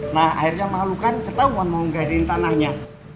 nah akhirnya malukan ketahuan mau gadiin tanahnya